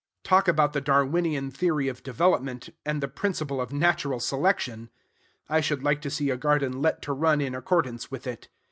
Talk about the Darwinian theory of development, and the principle of natural selection! I should like to see a garden let to run in accordance with it.